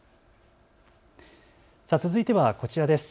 続いてはこちらです。